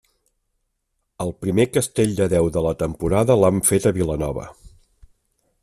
El primer castell de deu de la temporada l'han fet a Vilanova.